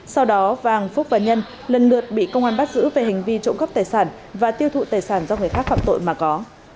sau đó vàng phúc và nhân lần lượt bị công an bắt giữ về hành vi trộm cắp tài sản và tiêu thụ tài sản do người khác phạm tội mà có